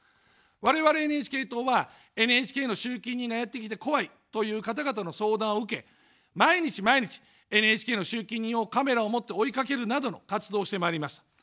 我々ＮＨＫ党は、ＮＨＫの集金人がやって来て怖いという方々の相談を受け、毎日毎日、ＮＨＫの集金人をカメラを持って追いかけるなどの活動をしてまいります。